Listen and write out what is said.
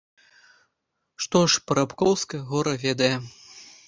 Што ж, парабкоўскае гора ведае.